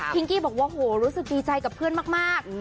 กี้บอกว่าโหรู้สึกดีใจกับเพื่อนมาก